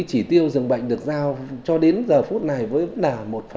chỉ tiêu dường bệnh được giao cho đến giờ phút này vẫn là một một mươi sáu